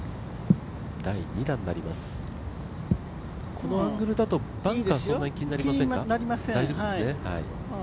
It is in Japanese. このアングルだとバンカーそんなに気になりませんか？